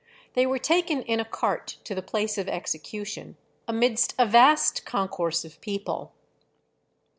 They were taken in a cart to the place of execution, amidst a vast concourse of people.